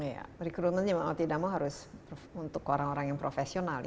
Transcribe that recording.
ya recruitmentnya mau atau tidak harus untuk orang orang yang profesional